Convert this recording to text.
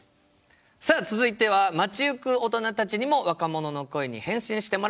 さあ続いては街行く大人たちにも若者の声に返信してもらうコーナーです。